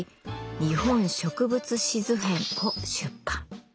「日本植物志図篇」を出版。